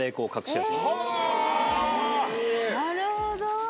なるほど。